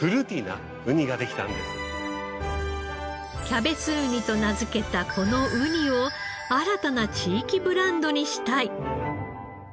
「キャベツウニ」と名付けたこのウニを新たな地域ブランドにしたい。